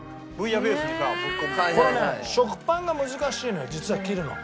これね食パンが難しいのよ実は切るの。